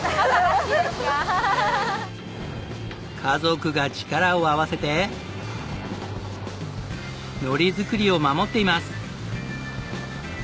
家族が力を合わせて海苔作りを守っています。